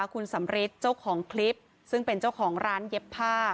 คุณสำริทเจ้าของคลิปซึ่งเป็นเจ้าของร้านเย็บผ้า